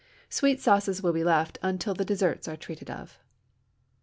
Sweet sauces will be left until the desserts are treated of.